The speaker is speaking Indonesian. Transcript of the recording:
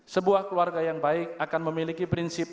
sebuah keluarga yang baik akan memiliki prinsip